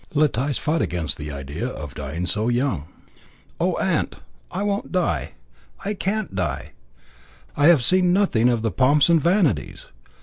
Letice fought against the idea of dying so young. "Oh, aunt! I won't die! I can't die! I have seen nothing of the pomps and vanities.